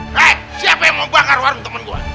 hei siapa yang mau bakar warung temen gue